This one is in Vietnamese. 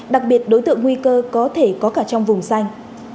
đặc biệt đối tượng nguy cơ có thể có cả trong vùng xanh